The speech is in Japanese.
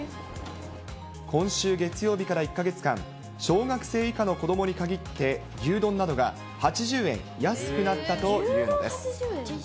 今週月曜日から１か月間、小学生以下の子どもに限って牛丼などが８０円安くなったというんです。